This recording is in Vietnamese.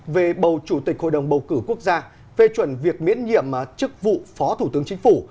về bầu chủ tịch hội đồng bầu cử quốc gia về chuẩn việc miễn nhiệm chức vụ phó thủ tướng chính phủ